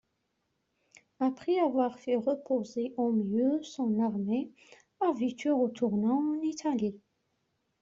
Après avoir fait reposer au mieux son armée, Avitus retourna en Italie.